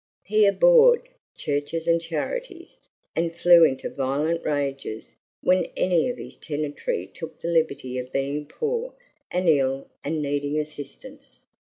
He abhorred churches and charities, and flew into violent rages when any of his tenantry took the liberty of being poor and ill and needing assistance.